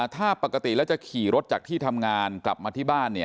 ถ้าปกติแล้วจะขี่รถจากที่ทำงานกลับมาที่บ้าน